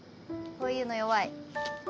こういうの弱い！